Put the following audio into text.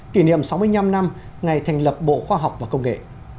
kỷ niệm sáu mươi năm năm ngày thành lập bộ khoa học và công nghệ